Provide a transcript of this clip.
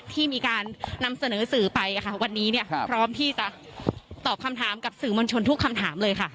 ที่มีการนำเสนอสื่อไปวันนี้พร้อมที่จะตอบคำถามกับสื่อมวลชนทุกคำถามเลยค่ะ